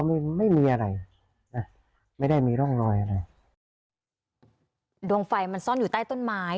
ไม่มีอะไรไม่ได้มีร่องลอยดวงไฟมันซ่อนอยู่ใต้ต้นไม้